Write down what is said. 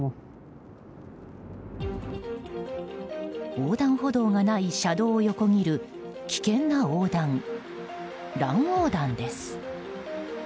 横断歩道がない車道を横切る危険な横断、乱横断です。